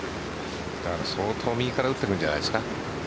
相当右から打ってるんじゃないですか。